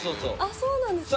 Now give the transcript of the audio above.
そうなんですね。